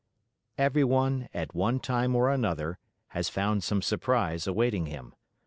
Everyone, at one time or another, has found some surprise awaiting him.